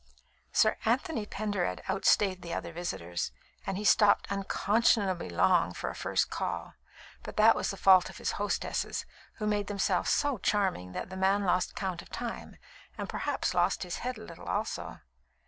Sir Anthony Pendered outstayed the other visitors, and he stopped unconscionably long for a first call; but that was the fault of his hostesses, who made themselves so charming that the man lost count of time and perhaps lost his head a little, also.